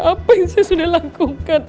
apa yang saya sudah lakukan